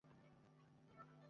ওকে গুলি করে দে।